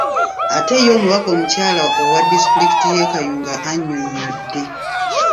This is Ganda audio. Ate ye omubaka omukyala owa disitulikiti y’e Kayunga annyonnyodde .